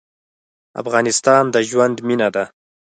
افغانستان د ژوند مېنه ده.